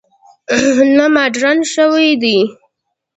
نه مډرن شوي دي.